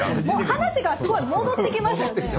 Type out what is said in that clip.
もう話がすごい戻ってきましたよね。